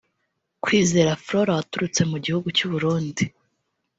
Kwizera Flora waturutse mu gihugu cy’u Burundi